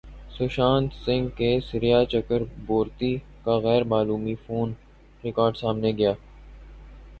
Sushant Singh case Rhea Chakraborty کا غیر معمولی فون ریکارڈ سامنے گیا